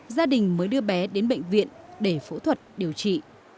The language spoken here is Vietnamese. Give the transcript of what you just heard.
gia đình mới đưa bé đến bệnh viện để phẫu thuật điều trị